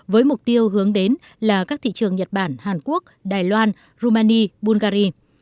với mục tiêu hướng đến là các thị trường nhật bản hàn quốc đài loan rumania bulgaria